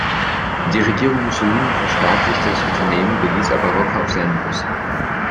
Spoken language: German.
Die Regierung Mussolini verstaatlichte das Unternehmen, beließ aber Rocca auf seinem Posten.